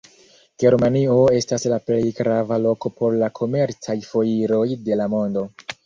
Germanio estas la plej grava loko por la komercaj foiroj de la mondo.